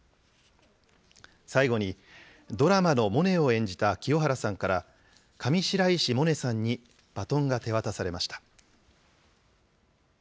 最後に、ドラマのモネを演じた清原さんから、上白石萌音さんにバトンが手渡されました。